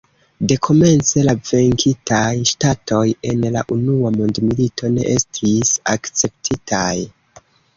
Dekomence la venkitaj ŝtatoj en la Unua Mondmilito ne estis akceptitaj.